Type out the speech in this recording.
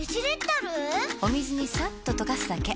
お水にさっと溶かすだけ。